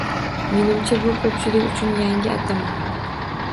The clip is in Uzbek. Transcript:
Menimcha, bu koʻpchilik uchun yangi atama.